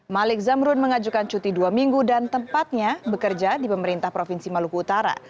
malik zamrun mengajukan cuti dua minggu dan tempatnya bekerja di pemerintah provinsi maluku utara